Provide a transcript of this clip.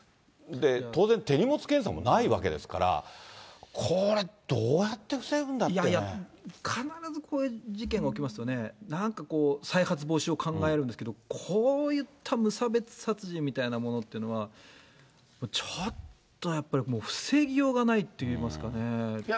当然、手荷物検査もないわけですから、これ、いやいや、必ずこういう事件が起きますとね、なんかこう、再発防止を考えるんですけど、こういった無差別殺人みたいなものっていうのは、ちょっとやっぱり、防ぎようがないといいますかね。